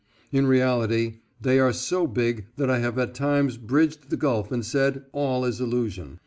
In reality they are so big that I have at times bridged the gulf and said, "All is illusion."